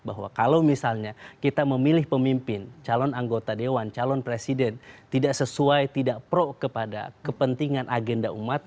bahwa kalau misalnya kita memilih pemimpin calon anggota dewan calon presiden tidak sesuai tidak pro kepada kepentingan agenda umat